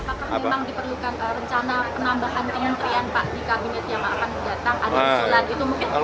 apakah memang diperlukan rencana penambahan kementerian pak di kabinet yang akan datang